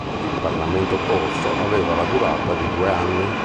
Il parlamento corso aveva la durata di due anni.